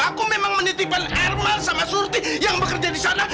aku memang menitipkan erman sama surti yang bekerja di sana